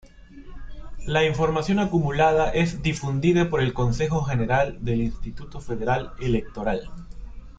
La información acumulada es difundida por el Consejo General del Instituto Federal Electoral.